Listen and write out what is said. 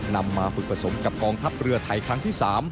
นำมาฝึกผสมกับกองทัพเรือไทยครั้งที่๓